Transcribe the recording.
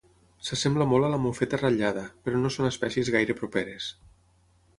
S'assembla molt a la mofeta ratllada, però no són espècies gaire properes.